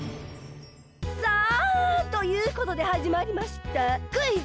さあということではじまりましたクイズ！